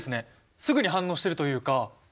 すぐに反応してるというか。